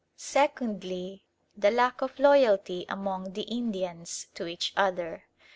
Secondly, the lack of loyalty among the Indians to each other.